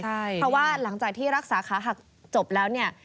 เพราะว่าหลังจากที่รักษาขาหักจบแล้วเนี่ย